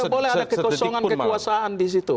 tidak boleh ada kekosongan kekuasaan di situ